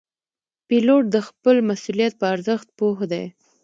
پیلوټ د خپل مسؤلیت په ارزښت پوه دی.